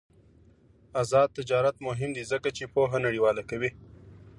آزاد تجارت مهم دی ځکه چې پوهه نړیواله کوي.